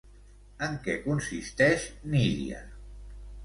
En què consisteix Nydia?